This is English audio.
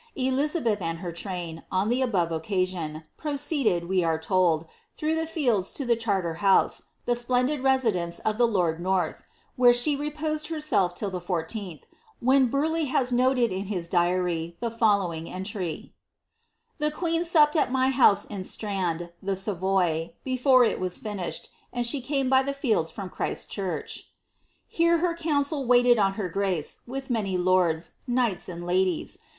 Elizabeth and her train, on the above occasion, proceeded, we are told, through the fields to the Charter house, the splendid residence of the lord North, where she reposed herself till the 14[h, when BuHeigh has noted in his diary the following entry; — "The queen supped at my house in Strand (the Savoy), before it was finished, and she came l^ the fields from Chrisl chuich." Here her council waited on her giMt^ with many lords, knights, and ladies.